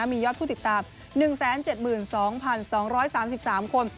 มียอดผู้ติดตาม๑๗๒๒๓๓คน